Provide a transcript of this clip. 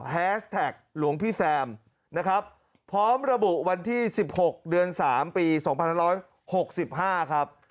แฮสแท็กหลวงพี่แซมนะครับพร้อมระบุวันที่๑๖เดือน๓ปี๒๑๖๕ครับ